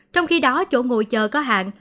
trong khi đó chỗ ngồi chờ có hạn